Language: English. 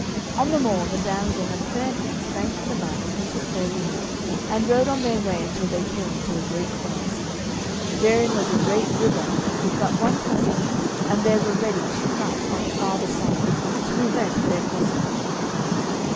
On the morn the damsel and Fair hands thanked the knight and took their leave, and rode on their way until they came to a great forest. Therein was a great river with but one passage, and there were ready two knights on the farther side, to prevent their crossing.